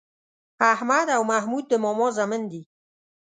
احمد او محمود د ماما زامن دي